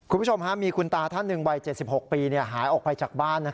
คุณผู้ชมมีคุณตาท่านหนึ่งวัย๗๖ปีหายออกไปจากบ้าน